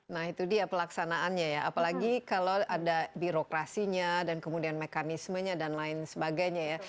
nah itu dia pelaksanaannya ya apalagi kalau ada birokrasinya dan kemudian mekanismenya dan lain sebagainya ya